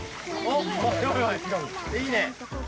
いいね！